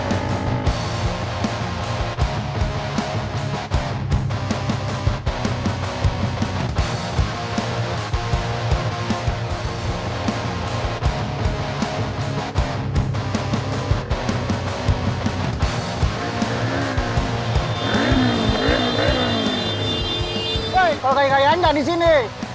woi kok kayaknya nggak di sini